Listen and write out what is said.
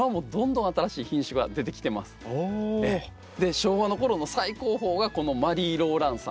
昭和の頃の最高峰がこのマリーローランサン。